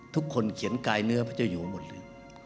ทุกคนเขียนกายเนื้อพระเจ้าอยู่หมดเลย